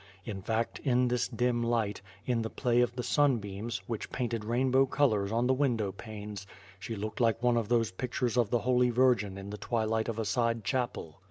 In fact, in this dim light, in the play of the sunbeams, which painted rainbow colors on the window panes, she looked like one of those pictures of the Holy Virgin in the twilight of a side chapel.